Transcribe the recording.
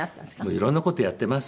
いろんな事やってます。